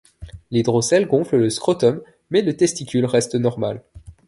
L’hydrocèle gonfle le scrotum mais le testicule reste normal.